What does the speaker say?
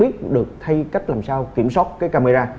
được thay cách làm sao kiểm soát cái camera